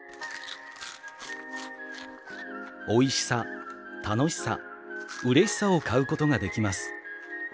「おいしさ、たのしさ、うれしさを買うことができます。